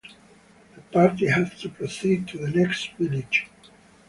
The party had to proceed to the next village.